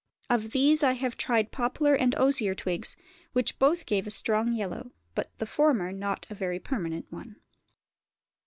Of these I have tried poplar and osier twigs, which both gave a strong yellow, but the former not a very permanent one.